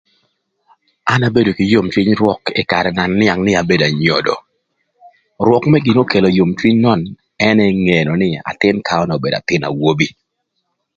An abedo kï yom cwiny rwök ï karë na nïang nï abedo anyodo rwök mërë gin n'okelo yom cwiny nön ënë nï athïn kaöna obedo athïn awobi.